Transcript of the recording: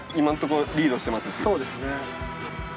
そうですね。